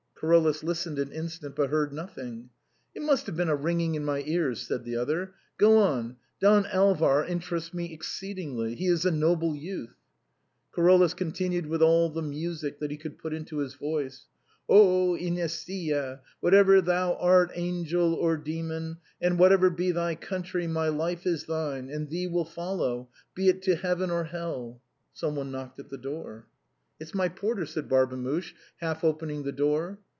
Carolus listened an instant, but heard nothing. " It must have been a ringing in my ears," said the other. " Go on ; Don Alvar interests me exceedingly ; he is a noble youth." Carolus continued with all the music that he could put into his voice: " Inesilla ! whatever thou art, angel or demon ; and A BOHEMIAN " AT HOME." 147 v/hatever be thy country, my life is thine, and thee will I follow, be it to heaven or hell !" Some one knocked at the door. "It's my porter," said Barbemuche, half opening the door.